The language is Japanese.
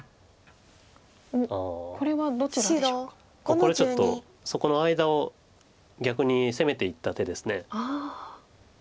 これちょっとそこの間を逆に攻めていった手です。